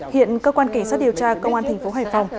hiện cơ quan cảnh sát điều tra công an thành phố hải phòng